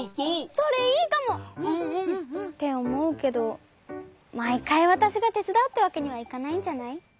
それいいかも。っておもうけどまいかいわたしがてつだうってわけにはいかないんじゃない？